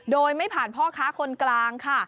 โดยไม่ผ่านพ่อค้าคนกลางค่ะ